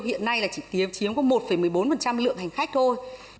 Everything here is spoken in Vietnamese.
hiện nay là chỉ chiếm có một một mươi bốn lượng hành khách thôi